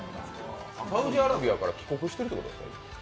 サウジアラビアから帰国してってことですか？